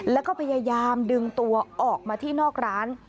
แล้วก็พยายามดึงตัวออกมาที่นอกร้าน